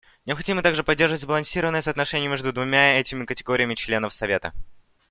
Необходимо также поддерживать сбалансированное соотношение между двумя этими категориями членов Совета.